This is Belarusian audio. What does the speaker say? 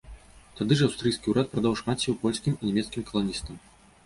Тады ж аўстрыйскі ўрад прадаў шмат сеў польскім і нямецкім каланістам.